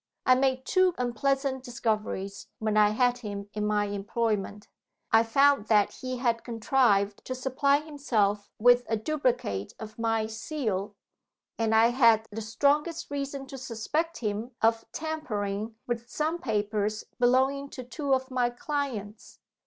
I made two unpleasant discoveries when I had him in my employment. I found that he had contrived to supply himself with a duplicate of my seal; and I had the strongest reason to suspect him of tampering with some papers belonging to two of my clients.